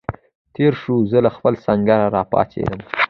تېر شو، زه له خپل سنګره را پاڅېدم.